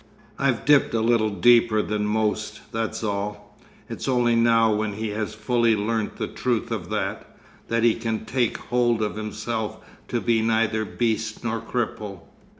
I've dipped a little deeper than most; that's all. It's only now when he has fully learnt the truth of that, that he can take hold of himself to be neither beast nor cripple.